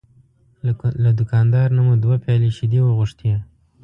له دوکاندار نه مو دوه پیالې شیدې وغوښتې.